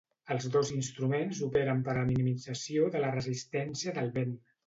Els dos instruments operen per la minimització de la resistència del vent.